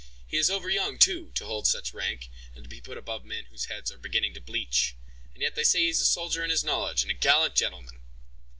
He is over young, too, to hold such rank, and to be put above men whose heads are beginning to bleach; and yet they say he is a soldier in his knowledge, and a gallant gentleman!"